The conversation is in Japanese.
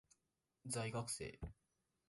在学生